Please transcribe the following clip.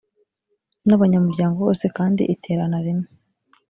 n abanyamuryango bose kandi iterana rimwe